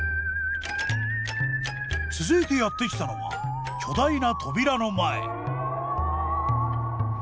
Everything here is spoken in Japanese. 続いてやって来たのは巨大な扉の前。